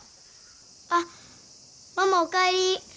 あっママお帰り！